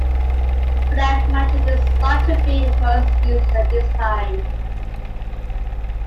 Black magic is thought to be most used at this time.